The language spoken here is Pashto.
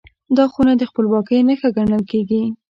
دا خونه د خپلواکۍ نښه ګڼل کېږي.